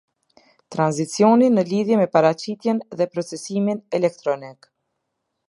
Tranzicioni në lidhje me paraqitjen dhe procesimin elektronik.